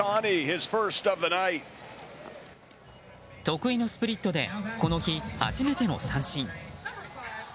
得意のスプリットでこの日、初めての三振。